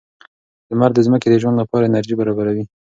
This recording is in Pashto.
لمر د ځمکې د ژوند لپاره انرژي برابروي.